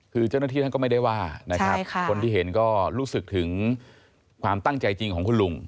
คือเจ้าหน้าที่ท่านก็ไม่ได้ว่านะครับคนที่เห็นก็รู้สึกถึงความตั้งใจจริงของคุณลุง